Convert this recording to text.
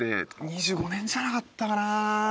２５年じゃなかったかな。